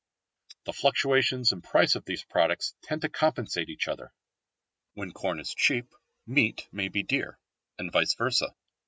The fluctuations in price of these products tend to compensate each other. When corn is cheap, meat may be dear, and vice versâ.